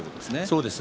そうです。